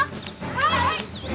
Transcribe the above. はい！